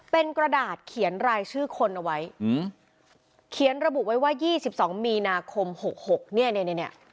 เป็นกระดาษเขียนรายชื่อคนเอาไว้อืมเขียนระบุไว้ว่ายี่สิบสองมีนาคมหกหกเนี่ยเนี่ย